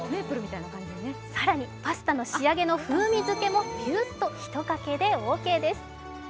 更に、パスタの仕上げの風味付けもピューッとひとかけでオーケーです。